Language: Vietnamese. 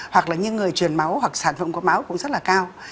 hoặc là những người chuyển máu hoặc sản phẩm của máu cũng rất là cao